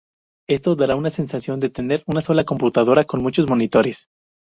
Esto dará una sensación de tener una sola computadora con muchos monitores.